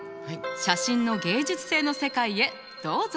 写真の芸術性の世界へどうぞ。